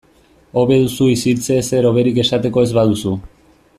Hobe duzu isiltze ezer hoberik esateko ez baduzu.